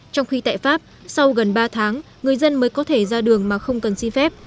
trong khi tại pháp sau gần ba tháng người dân mới có thể ra đường mà không cần xin phép